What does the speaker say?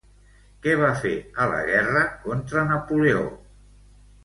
Què va fer a la guerra contra Napoleó?